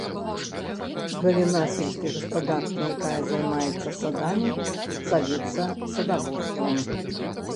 Галіна сельскай гаспадаркі, якая займаецца садамі, завецца садаводствам.